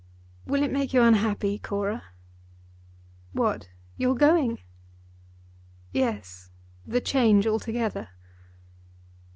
"Will it make you unhappy, Cora?" "What; your going?" "Yes; the change altogether."